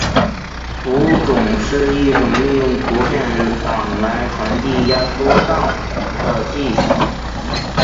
图种是一种利用图片档来传递压缩档的技巧。